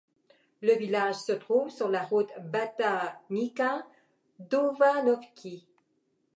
Le village se trouve sur la route Batajnica-Dobanovci.